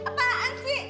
ibu apaan sih